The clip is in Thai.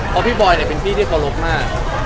เพราะพี่บอยเป็นพี่ที่เคารพมาก